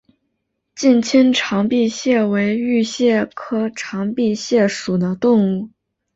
近亲长臂蟹为玉蟹科长臂蟹属的动物。